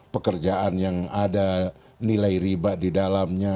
pekerjaan yang ada nilai riba di dalamnya